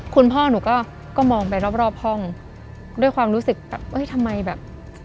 คุณพ่อหนูก็มองไปรอบรอบห้องด้วยความรู้สึกแบบเอ้ยทำไมแบบ